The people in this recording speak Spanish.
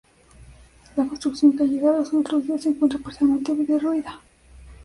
La construcción que ha llegado hasta nuestros días se encuentra parcialmente derruida.